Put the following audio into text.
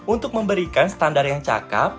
untuk memberikan standar yang cakep